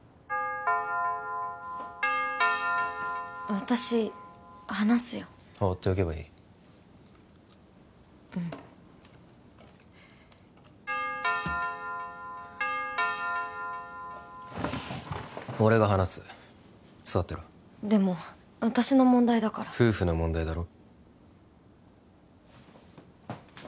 私話すよ放っておけばいいうん俺が話す座ってろでも私の問題だから夫婦の問題だろ？